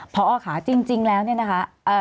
พอค่ะจริงแล้วเนี่ยนะคะ